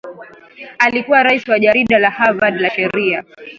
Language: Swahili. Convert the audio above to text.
Alikuwa rais wa jarida la Harvard la sheria